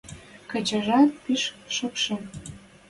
Кечӹжӓт пиш шокшын